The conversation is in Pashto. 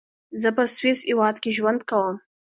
زۀ پۀ سويس هېواد کې ژوند کوم.